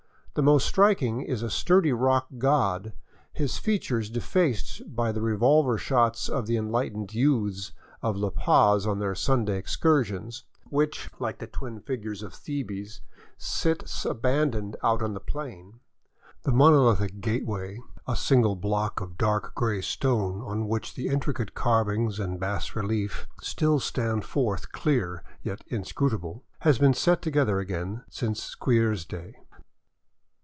The most striking is a sturdy rock god, his features defaced by the revolver shots of the enlightened youths of La Paz on their Sunday excursions, which, like the twin figures of Thebes, sits abandoned out on the plain. The monolithic gateway, a single block of dark gray stone on which the intricate carving and bas reliefs still stand forth clear yet inscrutable, has been set together again since Squier's day.